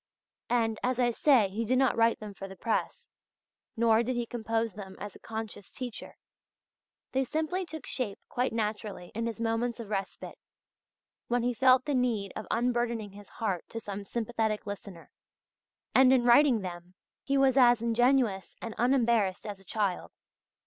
And, as I say, he did not write them for the press, nor did he compose them as a conscious teacher. They simply took shape quite naturally in his moments of respite, when he felt the need of unburdening his heart to some sympathetic listener; and in writing them he was as ingenuous and as unembarrassed as a child.